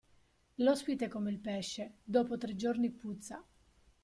L'ospite è come il pesce: dopo tre giorni puzza.